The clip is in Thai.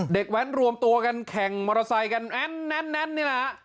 แว้นรวมตัวกันแข่งมอเตอร์ไซค์กันแน่นนี่แหละ